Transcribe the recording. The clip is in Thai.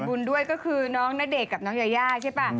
คู่จิ้นสายบุญด้วยก็คือน้องน้าเด็กกับน้องยายาใช่ป่ะ